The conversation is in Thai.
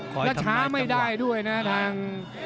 แล้วช้าไม่ได้ด้วยนะทาง